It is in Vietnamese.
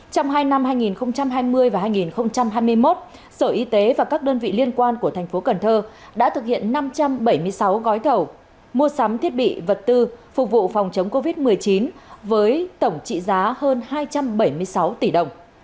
trong hai năm hai nghìn hai mươi và hai nghìn hai mươi một sở y tế và các đơn vị liên quan của thành phố cần thơ đã thực hiện năm trăm bảy mươi sáu gói thầu mua sắm thiết bị vật tư phục vụ phòng chống covid một mươi chín với tổng trị giá hơn hai trăm bảy mươi sáu tỷ đồng